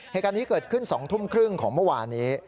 เหตุการณ์นี้เกิดขึ้น๒ทุ่มครึ่งของเมื่อวานนี้